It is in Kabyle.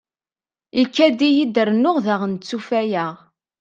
Ikad-iyi-d rennuɣ daɣen ttufayeɣ.